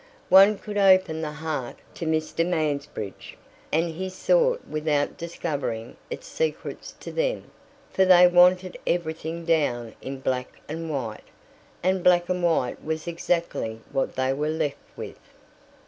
One could open the heart to Mr. Mansbridge and his sort without discovering its secrets to them, for they wanted everything down in black and white, and black and white was exactly what they were left with.